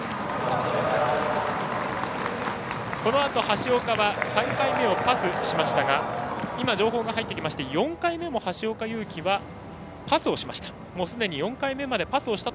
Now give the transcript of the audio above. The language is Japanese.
このあと、橋岡は３回目をパスしましたが今、情報が入ってきまして４回目も橋岡優輝はパスをしました。